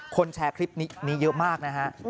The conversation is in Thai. แชร์คลิปนี้เยอะมากนะฮะ